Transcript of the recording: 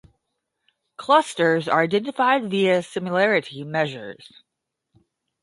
Clusters are identified via similarity measures.